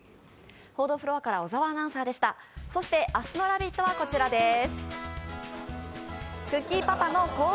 そして明日の「ラヴィット！」はこちらです。